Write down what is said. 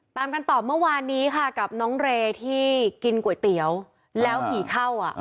ตามกันต่อเมื่อวานนี้ค่ะกับน้องเรย์ที่กินก๋วยเตี๋ยวแล้วผีเข้าอ่ะ